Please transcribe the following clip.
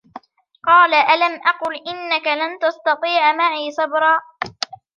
قَالَ أَلَمْ أَقُلْ إِنَّكَ لَنْ تَسْتَطِيعَ مَعِيَ صَبْرًا